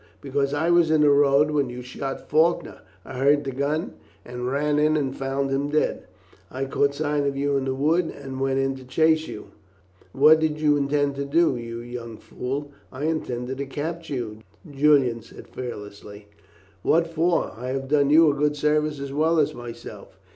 "Because I was in the road when you shot Faulkner. I heard the gun, and ran in and found him dead. I caught sight of you in the wood, and went in chase of you." "What did you intend to do, you young fool?" "I intended to capture you," Julian said fearlessly. "What for? I have done you a good service as well as myself.